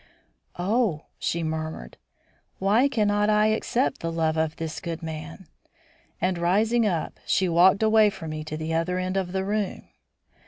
"Oh!" she murmured, "why cannot I accept the love of this good man?" And, rising up, she walked away from me to the other end of the room.